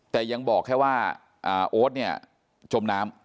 แต่ยังบอกแค่ว่าโอ๊ตเนี่ยจมน้ำ